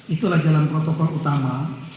itulah jalan protokol utama